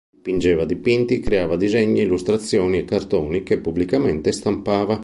Dipingeva dipinti, creava disegni, illustrazioni e cartoni che pubblicamente stampava.